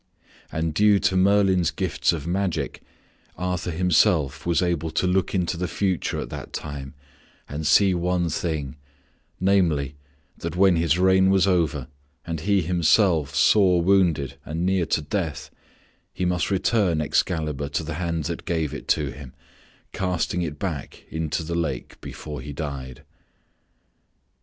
And due to Merlin's gifts of magic, Arthur himself was able to look into the future at that time and see one thing namely, that when his reign was over and he himself sore wounded and near to death, he must return Excalibur to the hand that gave it to him, casting it back into the lake before he died.